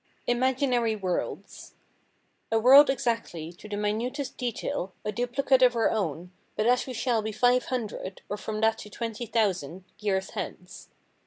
Imaginary Worlds A world exactly, to the minutest detail, a duplicate of our own, but as we shall be five hundred, or from that to twenty thousand, years hence.